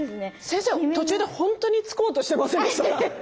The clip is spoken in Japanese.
先生途中で本当に突こうとしてませんでした？